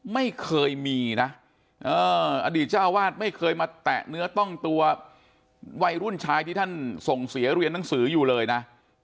ไม่เคยมีนะอดีตเจ้าวาดไม่เคยมาแตะเนื้อต้องตัววัยรุ่นชายที่ท่านส่งเสียเรียนหนังสืออยู่เลยนะ